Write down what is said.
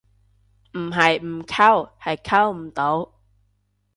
唔係唔溝，係溝唔到